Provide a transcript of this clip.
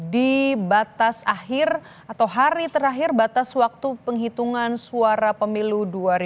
di batas akhir atau hari terakhir batas waktu penghitungan suara pemilu dua ribu sembilan belas